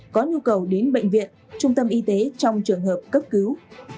có nhu cầu đến bệnh viện trung tâm y tế trong trường hợp cấp cứu